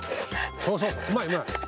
そうそううまいうまい。